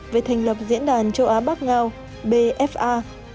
về thành lập diễn đàn châu á bắc ngao bfa